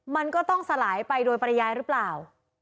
มันก็ต้องสลายไปโดยปริยายหรือเปล่า